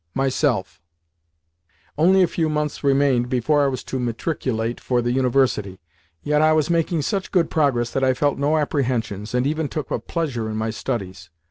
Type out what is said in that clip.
MYSELF Only a few months remained before I was to matriculate for the University, yet I was making such good progress that I felt no apprehensions, and even took a pleasure in my studies.